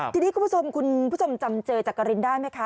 ทีนี้คุณผู้ชมคุณผู้ชมจำเจอจักรินได้ไหมคะ